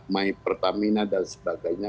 my pertamina dan sebagainya